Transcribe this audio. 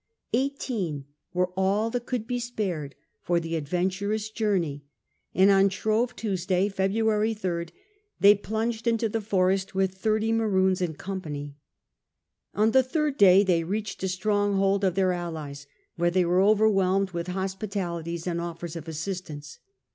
Eighteen were all that could be spared for the adventurous journey, and on Shrove Tuesday, February 3rd, they plunged into the forest with thirty Maroons in company. On the third day they reached a stronghold of their allies, where they were overwhelmed with hospitalities and offers of assistance.